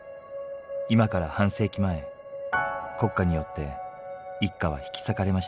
今から半世紀前国家によって一家は引き裂かれました。